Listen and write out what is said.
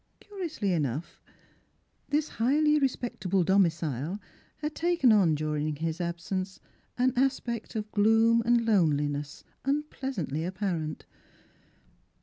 Curiously enough, this highly respectable domicile had taken on during his absence an aspect of gloom and loneliness un pleasantly apparent.